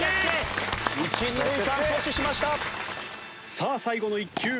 さあ最後の一球。